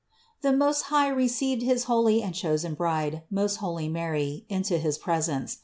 91. The Most High received his holy and chosen Bride, most holy Mary, into his presence.